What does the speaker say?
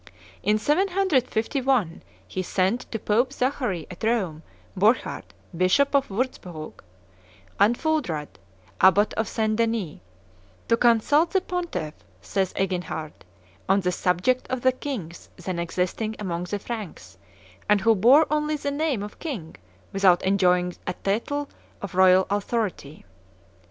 In 751, he sent to Pope Zachary at Rome, Burchard, bishop of Wurtzhurg, and Fulrad, abbot of St. Denis, "to consult the Pontiff," says Eginhard, "on the subject of the kings then existing amongst the Franks, and who bore only the name of king without enjoying a tittle of royal authority."